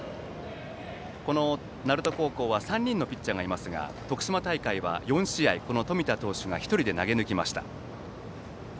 この鳴門高校は３人のピッチャーがいますが徳島大会は４試合冨田投手が１人で投げ抜きました。